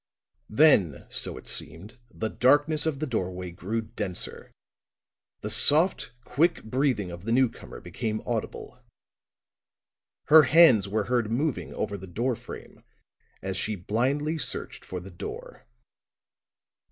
_ Then, so it seemed, the darkness of the doorway grew denser; the soft, quick breathing of the newcomer became audible; her hands were heard moving over the door frame as she blindly searched for the door.